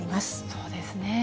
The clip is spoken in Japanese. そうですね。